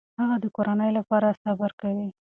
هغه د کورنۍ لپاره صبر کوي.